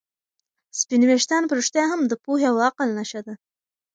سپین ویښتان په رښتیا هم د پوهې او عقل نښه ده.